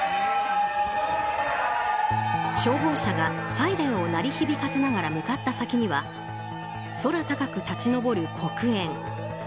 消防車がサイレンを鳴り響かせながら向かった先には空高く立ち上る黒煙。